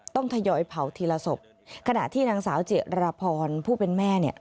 ทยอยเผาทีละศพขณะที่นางสาวจิรพรผู้เป็นแม่เนี่ย